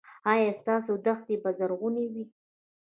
ایا ستاسو دښتې به زرغونې وي؟